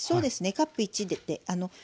カップ１で。